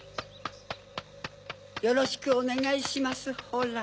よろしくおねがいしますホラ。